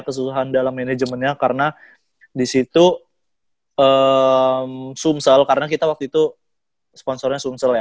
kesusahan dalam manajemennya karena disitu sumsel karena kita waktu itu sponsornya sumsel ya